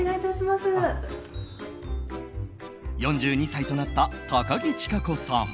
４２歳となった高樹千佳子さん。